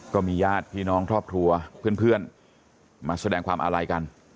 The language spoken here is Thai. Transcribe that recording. ก็มีญาติพี่น้องครอบครัวเพื่อนมาแสดงความอาลัยกัน